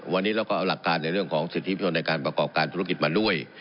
วันนี้เราก็เอาหลักการในเรื่องของสิทธิประชนในการประกอบการธุรกิจมาด้วย